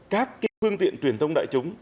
các cái phương tiện truyền thông đại chúng